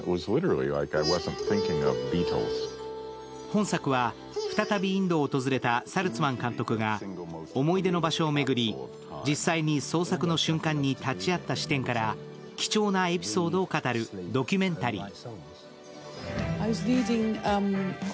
本作は、再びインドを訪れたサルツマン監督が思い出の場所を巡り、実際に創作の瞬間に立ち会った視点から貴重なエピソードを語るドキュメンタリー。